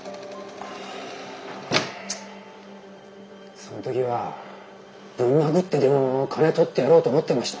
そんときはぶん殴ってでも金とってやろうと思ってました。